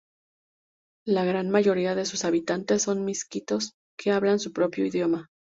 La gran mayoría de sus habitantes son misquitos que hablan su propio idioma.